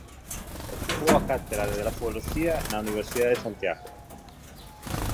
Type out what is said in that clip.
Ocupou a cátedra de Edafoloxía na Universidade de Santiago.